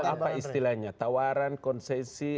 apa istilahnya tawaran konsesi